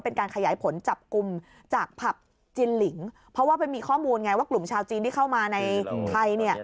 เป็นการขยายผลจับกลุ่มจากผับจินหลิงเพราะว่าไปมีข้อมูลไงว่ากลุ่มชาวจีนที่เข้ามาในไทยเนี่ย